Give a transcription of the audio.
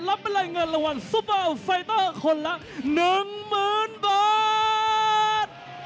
รับไปเลยเงินรางวัลซูเปอร์ไฟเตอร์คนละ๑๐๐๐บาท